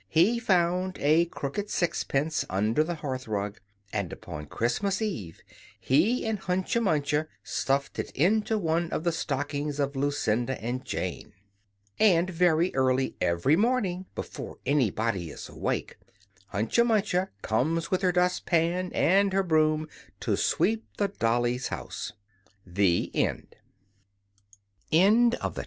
He found a crooked sixpence under the hearth rug; and upon Christmas Eve, he and Hunca Munca stuffed it into one of the stockings of Lucinda and Jane. And very early every morning before anybody is awake Hunca Munca comes with her dust pan and her broom to sweep the Dollies' house! THE TALE OF MRS.